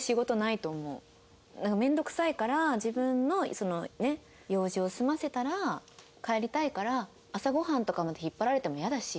なんか面倒くさいから自分のそのね用事を済ませたら帰りたいから朝ごはんとかまで引っ張られてもイヤだし。